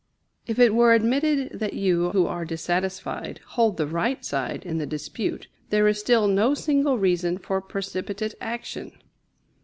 If it were admitted that you who are dissatisfied hold the right side in the dispute, there is still no single reason for precipitate action.